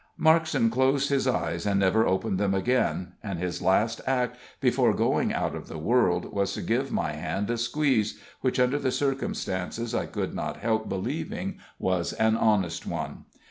Markson closed his eyes, and never opened them again; and his last act, before going out of the world, was to give my hand a squeeze, which, under the circumstances, I could not help believing was an honest one.